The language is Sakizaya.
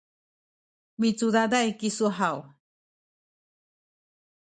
micudaday kisu haw?